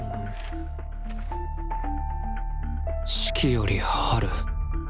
四季より「春」